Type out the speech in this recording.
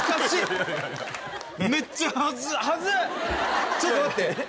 ちょっと待って。